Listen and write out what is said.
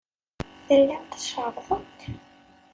Tellamt tcerrḍemt.